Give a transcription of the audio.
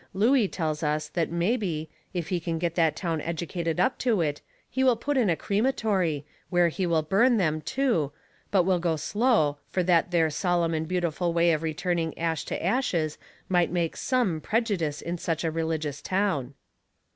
Looey tells us that mebby, if he can get that town educated up to it, he will put in a creamatory, where he will burn them, too, but will go slow, fur that there sollum and beautiful way of returning ash to ashes might make some prejudice in such a religious town.